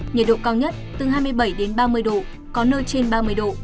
nhiệt độ cao nhất từ hai mươi bảy đến ba mươi độ có nơi trên ba mươi độ